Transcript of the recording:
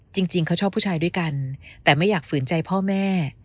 จริงเขาชอบผู้ชายด้วยกันแต่ไม่อยากฝืนใจพ่อแม่